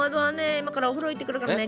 今からお風呂行ってくるからね。